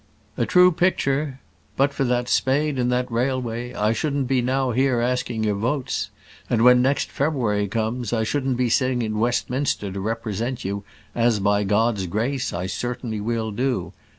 "A true picture: but for that spade and that railway, I shouldn't be now here asking your votes; and, when next February comes, I shouldn't be sitting in Westminster to represent you, as, by God's grace, I certainly will do.